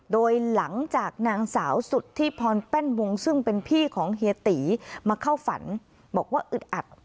โดยหลังจากนางสาวสุธิพรแป้นวงซึ่งเป็นพี่ของเฮียตีมาเข้าฝันบอกว่าอึดอัด